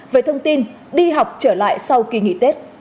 về thông tin đi học trở lại sau kỳ nghỉ tết